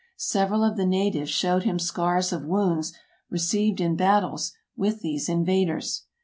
Several of the natives showed him scars of wounds received in battles with these invaders.